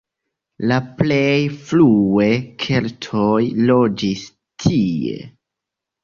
La plej frue keltoj loĝis tie.